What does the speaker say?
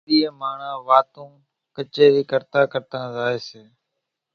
ۿماۮِيئين ماڻۿان واتون ڪچيرِي ڪرتان ڪرتان زائي سي